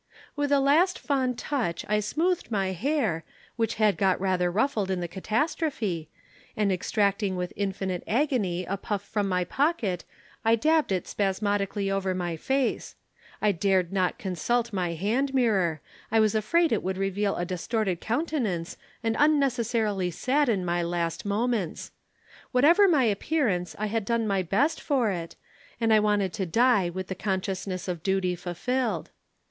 "With a last fond touch I smoothed my hair, which had got rather ruffled in the catastrophe, and extracting with infinite agony a puff from my pocket I dabbed it spasmodically over my face. I dared not consult my hand mirror, I was afraid it would reveal a distorted countenance and unnecessarily sadden my last moments. Whatever my appearance, I had done my best for it, and I wanted to die with the consciousness of duty fulfilled.